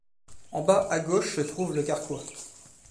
En bas à gauche se trouve le carquois.